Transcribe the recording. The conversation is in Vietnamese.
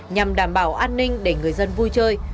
nhằm đảm bảo an ninh để người dân vui chơi